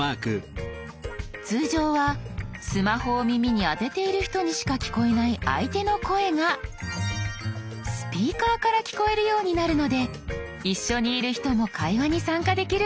通常はスマホを耳に当てている人にしか聞こえない相手の声がスピーカーから聞こえるようになるので一緒にいる人も会話に参加できるんです。